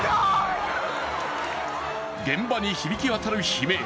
現場に響き渡る悲鳴。